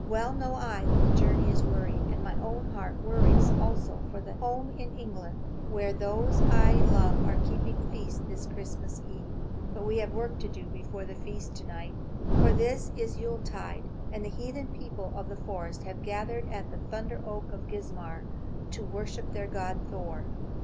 Well know I that the journey is weary; and my own heart wearies also for the home in England, where those I love are keeping feast this Christmas eve. But we have work to do before we feast to night. For this is the Yuletide, and the heathen people of the forest have gathered at the thunder oak of Geismar to worship their god, Thor.